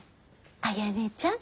あやねちゃん？